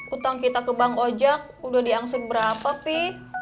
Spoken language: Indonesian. utang kita ke bank ojek udah diangsit berapa pi